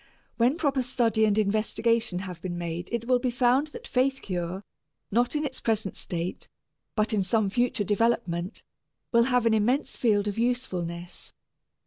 When proper study and investigation have been made it will be found that faith cure, not in its present state, but in some future development, will have an immense field of usefulness.